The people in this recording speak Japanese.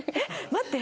待って。